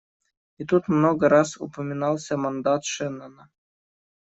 И тут много раз упоминался мандат Шеннона.